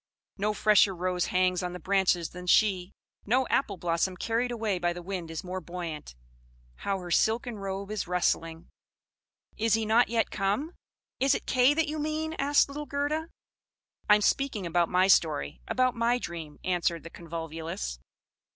No fresher rose hangs on the branches than she; no appleblossom carried away by the wind is more buoyant! How her silken robe is rustling! "'Is he not yet come?'" "Is it Kay that you mean?" asked little Gerda. "I am speaking about my story about my dream," answered the Convolvulus.